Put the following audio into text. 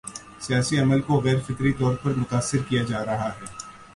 سیاسی عمل کو غیر فطری طور پر متاثر کیا جا رہا ہے۔